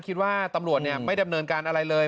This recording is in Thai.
คิดว่าตำรวจไม่ดำเนินการอะไรเลย